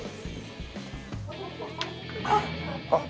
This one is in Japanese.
あっ！